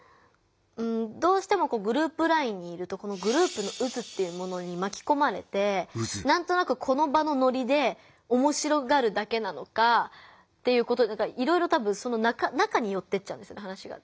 どうしてもグループＬＩＮＥにいるとグループの渦っていうものにまきこまれてなんとなくこの場のノリでおもしろがるだけなのかいろいろ多分その中によってっちゃうんです話が。